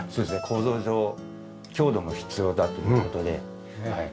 構造上強度も必要だという事ではい。